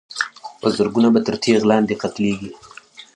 په زرګونو به تر تېغ لاندي قتلیږي